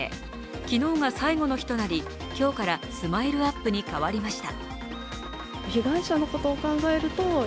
昨日が最後の日となり、今日からＳＭＩＬＥ−ＵＰ．に変わりました。